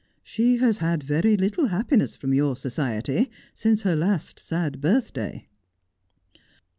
She has had very little happi ness from your society since her last sad birthday.'